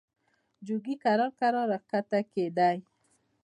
جوګي کرار کرار را کښته کېدی.